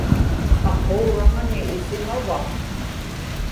aquuraŋani isimava